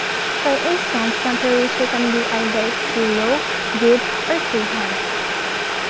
For instance temperature can be either "too low", "good" or "too high".